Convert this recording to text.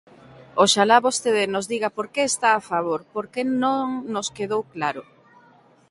Oxalá vostede nos diga por que está a favor, porque non nos quedou claro.